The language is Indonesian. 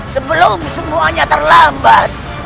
sebelum semuanya terlambat